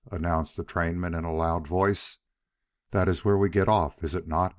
announced the trainman in a loud voice. "That is where we get off, is it not!"